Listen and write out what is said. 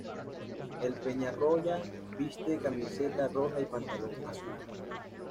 El Peñarroya viste camiseta roja y pantalón azul.